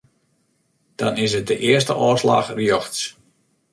Dan is it de earste ôfslach rjochts.